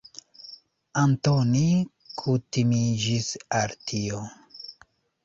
Antoni kutimiĝis al tio.